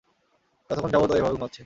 কতক্ষণ যাবত ও এভাবে ঘুমাচ্ছে?